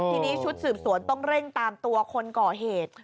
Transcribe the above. ทีนี้ชุดสืบสวนต้องเร่งตามตัวคนก่อเหตุ